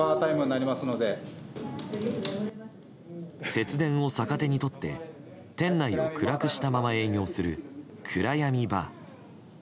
節電を逆手にとって店内を暗くしたまま営業する暗闇バー。